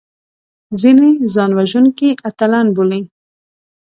ځینې ځانوژونکي اتلان بولي